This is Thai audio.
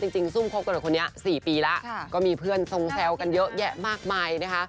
ซุ่มคบกันกับคนนี้๔ปีแล้วก็มีเพื่อนทรงแซวกันเยอะแยะมากมายนะคะ